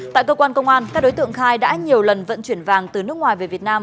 tại cơ quan công an các đối tượng khai đã nhiều lần vận chuyển vàng từ nước ngoài về việt nam